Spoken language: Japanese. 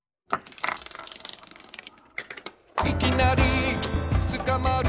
「いきなりつかまる」